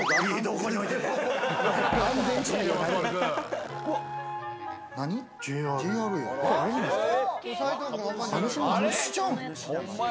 これ、あれじゃないですか？